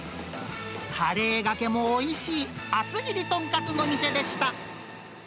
カレーがけもおいしい、厚切り豚カツの店でした。